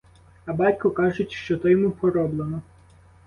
А батько кажуть, що то йому пороблено.